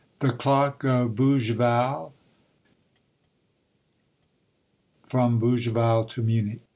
THE CLOCK OF BOUGIVAL. FROM BOUGIVAL TO MUNICH.